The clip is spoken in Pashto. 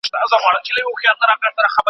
د حُسن وږم دې د سترگو زمانه و نه خوري